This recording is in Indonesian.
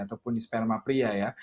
ataupun di sperma pria ya